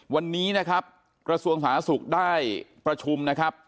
วันนี้นะครับกระทรวงสาธารณสุขได้ประชุมนะครับ